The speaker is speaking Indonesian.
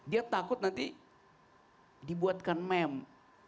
dia takut nanti dibuatkan meme